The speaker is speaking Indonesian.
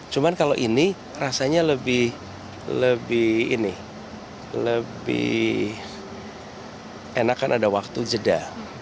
cuma kalau ini rasanya lebih ini lebih enak kan ada waktu jeda